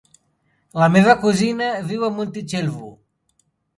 La meva cosina viu a Montitxelvo.